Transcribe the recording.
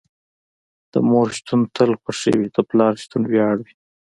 د مور شتون تل خوښې وي، د پلار شتون وياړ دي.